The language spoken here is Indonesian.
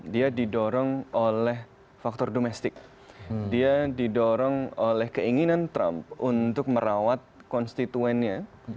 dia didorong oleh faktor domestik dia didorong oleh keinginan trump untuk merawat konstituennya